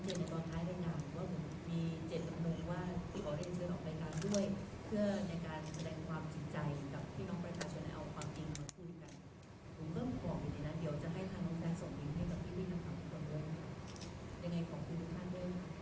ส่วนดีให้กับพี่วิทย์นะครับขอบคุณครับ